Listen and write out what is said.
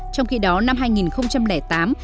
trong khi đó năm hai nghìn tám